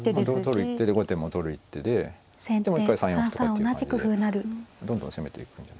取る一手で後手も取る一手ででもう一回３四歩とかっていう感じでどんどん攻めていくんですか。